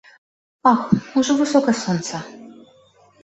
Ах, ужо высока сонца!